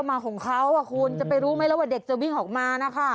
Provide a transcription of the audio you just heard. มาของเขาคุณจะไปรู้ไหมแล้วว่าเด็กจะวิ่งออกมานะคะ